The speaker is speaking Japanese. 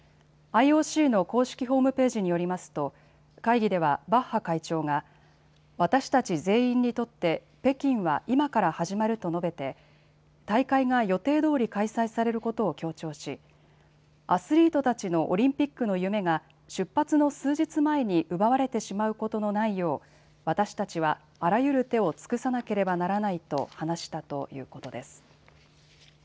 ＩＯＣの公式ホームページによりますと会議ではバッハ会長が私たち全員にとって北京は今から始まると述べて大会が予定どおり開催されることを強調し、アスリートたちのオリンピックの夢が出発の数日前に奪われてしまうことのないよう私たちは、あらゆる手を尽くさなければならないと話したということです。